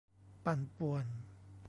ปั่นป่วน